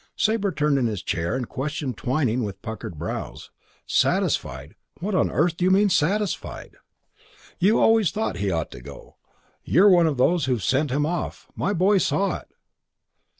Sabre turned in his chair and questioned Twyning with puckered brows. "Satisfied? What on earth do you mean satisfied?" "You always thought he ought to go. You're one of those who've sent him off. My boy saw it."